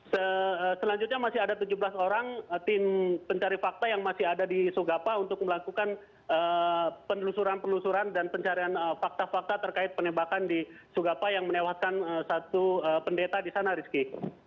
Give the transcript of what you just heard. selanjutnya masih ada tujuh belas orang tim pencari fakta yang masih ada di sugapa untuk melakukan penelusuran penelusuran dan pencarian fakta fakta terkait penembakan di sugapa yang menewaskan satu pendeta di sana rizky